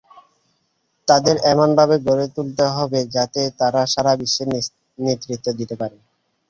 তাদের এমনভাবে গড়ে তুলতে হবে, যাতে তারা সারা বিশ্বে নেতৃত্ব দিতে পারে।